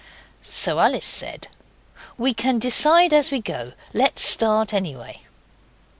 So Alice said, 'We can decide as we go. Let's start anyway.